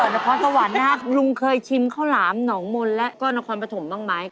นครสวรรค์นะครับลุงเคยชิมข้าวหลามหนองมนต์แล้วก็นครปฐมบ้างไหม